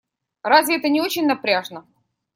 Разве это не очень напряжно?